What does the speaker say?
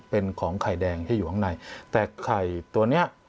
เป็นของไข่แดงที่อยู่ข้างในแต่ไข่ตัวเนี้ย